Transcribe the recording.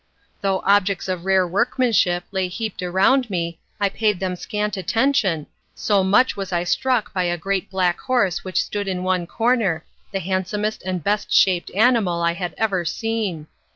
Though objects of rare workmanship lay heaped around me, I paid them scant attention, so much was I struck by a great black horse which stood in one corner, the handsomest and best shaped animal I had ever seen.